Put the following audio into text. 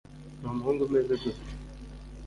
ni umuhungu umeze gute